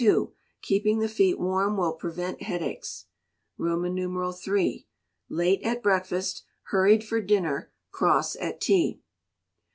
Keeping the feet warm will prevent headaches. iii. Late at breakfast hurried for dinner cross at tea.